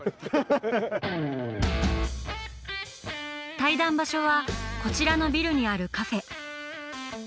対談場所はこちらのビルにあるカフェ。